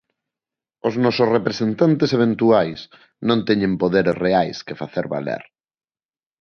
Os nosos representantes eventuais non teñen poderes reais que facer valer.